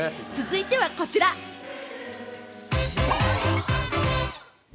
続いてはこちら！